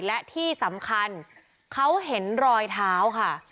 และที่สำคัญเขาเห็นรอยเท้าค่ะ